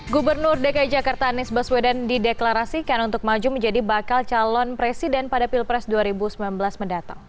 gubernur dki jakarta anies baswedan dideklarasikan untuk maju menjadi bakal calon presiden pada pilpres dua ribu sembilan belas mendatang